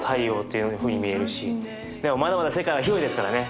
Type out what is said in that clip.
まだまだ世界は広いですからね